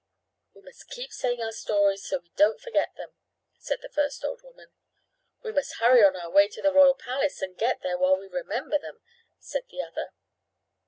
"We must keep saying over our stories so we won't forget them," said the first old woman. "We must hurry on our way to the royal palace and get there while we remember them," said the other.